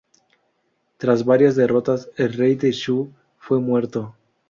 Tras varias derrotas, el rey de Shu fue muerto.